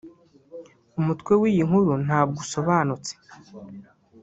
Umutwe w'iyi nkuru ntabwo usobnautse